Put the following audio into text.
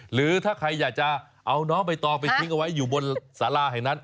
หรือถ้าใครอยากจะเอาน้องใบตองไปทิ้งเอาไว้อยู่บนสาราแห่งนั้น